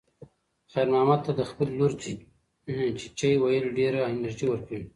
خیر محمد ته د خپلې لور "چیچیه" ویل ډېره انرژي ورکوي.